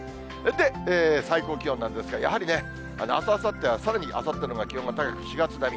で、最高気温なんですけど、やはりあす、あさってはさらにあさってのほうが気温が高く、４月並み。